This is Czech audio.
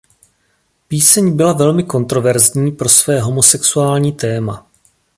Píseň byla velmi kontroverzní pro své homosexuální téma.